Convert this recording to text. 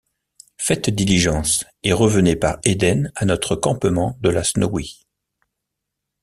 Faites diligence, et revenez par Éden à notre campement de la Snowy.